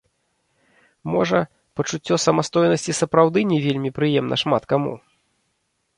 Можа, пачуццё самастойнасці сапраўды не вельмі прыемна шмат каму.